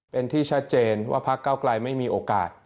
เป็นที่ชัดเจนว่าพักเก้าไกลไม่มีโอกาส